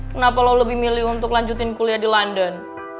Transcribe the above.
kenapa lo lebih milih untuk lanjutin kuliah di london